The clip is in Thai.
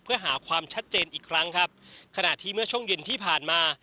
เพื่อหาความชัดเจนอีกครั้งครับขณะที่เมื่อช่วงเย็นที่ผ่านมา